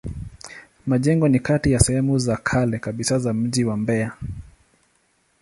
Majengo ni kati ya sehemu za kale kabisa za mji wa Mbeya.